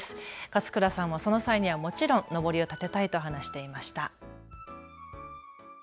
勝倉さんもその際にはもちろんのぼりを立てたいと話していました。